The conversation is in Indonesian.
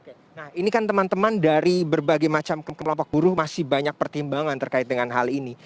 oke nah ini kan teman teman dari berbagai macam kelompok buruh masih banyak pertimbangan terkait dengan hal ini